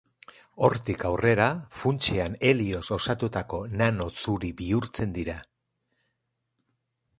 Hortik aurrera, funtsean helioz osatutako nano zuri bihurtzen dira.